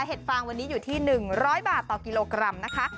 เห็งวันนี้อยู่ที่๑๐๐บาทต่อกิโลกรัมนะคะ